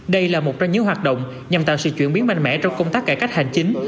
đây là một trong những hoạt động nhằm tạo sự chuyển biến mạnh mẽ trong công tác cải cách hành chính